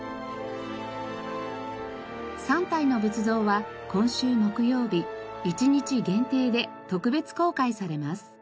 ３体の仏像は今週木曜日１日限定で特別公開されます。